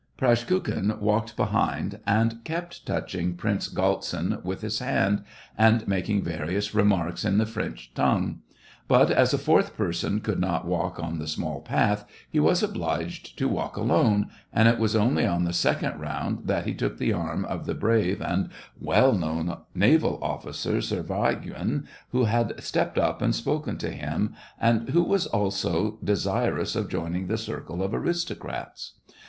Pras kukhin walked behind, and kept touching Prince Galtsin with his hand, and making various remarks in the French tongue ; but as a fourth person could not walk on the small path, he was obliged to walk alone, and it was only on the second round that he took the arm of the brave and well known naval officer Servyagin, who had stepped up and spoken to him, and who was also desirous of join ing the circle of aristocrats.